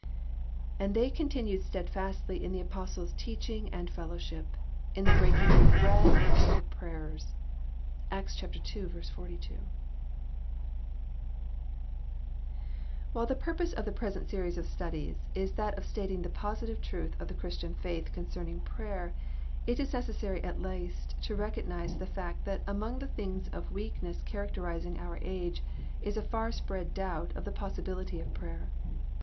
And they continued stedfastly in the Apostles^ teaching and fellowship, in the breaking of bread and the prayers,^ ^— Acts 2 : 42. II THE POSSIBILITY OF PRAYER "While the purpose of the present series of studies is that of stating the positive truth of the Christian faith concerning prayer, it is neces sary at least to recognize the fact that among the things of weakness characterizing our age is a far spread doubt of the possibility of prayer.